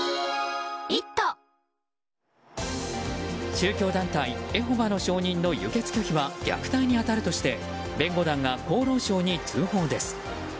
宗教団体エホバの証人の輸血拒否は虐待に当たるとして弁護団が厚労省に通報です。